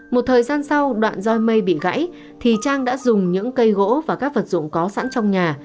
một thời gian sau đoạn doi mây bị gãy thì trang đã dùng những cây gỗ và các vật dụng có sẵn trong nhà